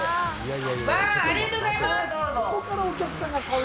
わぁありがとうございます